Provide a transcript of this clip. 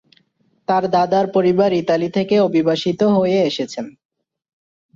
তার দাদার পরিবার ইতালি থেকে অভিবাসিত হয়ে এসেছেন।